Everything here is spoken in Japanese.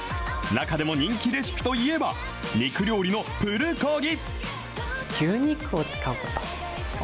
中でも人気レシピといえば、肉料理のプルコギ。